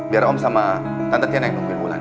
biar om sama tante tiana yang nungguin wulan